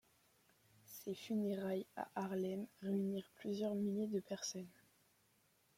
Ses funérailles à Harlem réunirent plusieurs milliers de personnes.